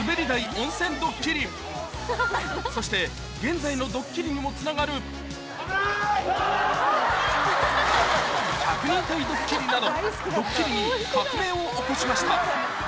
そして現在のドッキリにもつながるなどドッキリに革命を起こしました